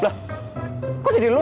lah kok jadi lu